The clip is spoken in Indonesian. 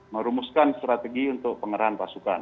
merumuskan strategi untuk pengerahan pasukan